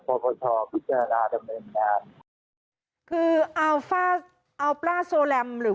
ผู้ตรวจการแผ่นดินก็จะส่งเรื่องไปให้